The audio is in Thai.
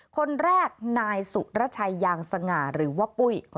คนแรกนายสุรชัยยางสง่าหรือว่าปุ้ย